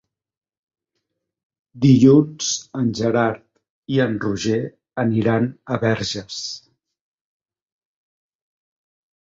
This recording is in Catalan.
Dilluns en Gerard i en Roger aniran a Verges.